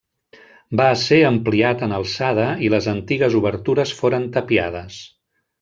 Va esser ampliat en alçada i les antigues obertures foren tapiades.